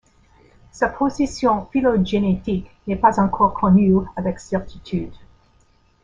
Sa position phylogénétique n'est pas encore connue avec certitude.